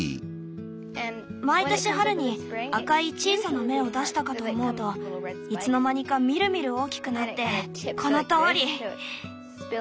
毎年春に赤い小さな芽を出したかと思うといつの間にかみるみる大きくなってこのとおり。